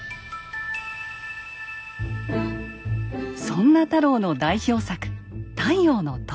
そんな太郎の代表作「太陽の塔」。